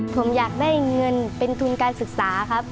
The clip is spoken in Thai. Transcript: ผมอยากได้เงินเป็นทุนการศึกษาครับ